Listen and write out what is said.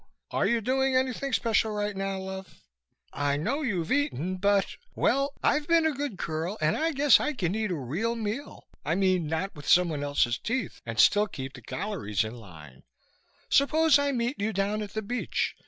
Are you doing anything special right now, love? I know you've eaten, but well, I've been a good girl and I guess I can eat a real meal, I mean not with somebody else's teeth, and still keep the calories in line. Suppose I meet you down at the Beach?